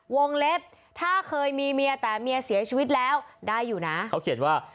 เล็บถ้าเคยมีเมียแต่เมียเสียชีวิตแล้วได้อยู่นะเขาเขียนว่า